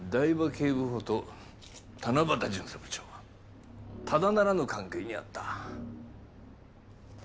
警部補と七夕巡査部長はただならぬ関係にあった。